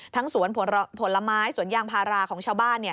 สวนผลไม้สวนยางพาราของชาวบ้าน